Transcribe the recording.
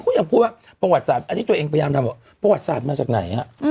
เขายังพูดว่าประวัติศาสตร์อันนี้ตัวเองพยายามทำประวัติศาสตร์มาจากไหน